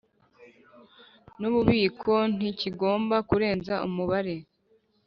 N ububiko ntikigomba kurenza umubare